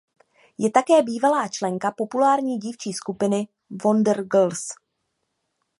Je také bývalá členka populární dívčí skupiny Wonder Girls.